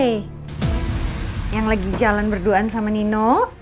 yang lagi jalan berduaan sama nino